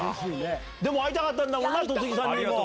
でも会いたかったんだもんね、戸次さんに。